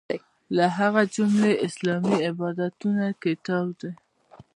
له هغې جملې اسلامي عبادتونه کتاب دی.